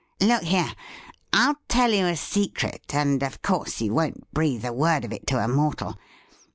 Look here, I'll i;ell you a secret, and of course you won't breathe a word oi it to a mortal.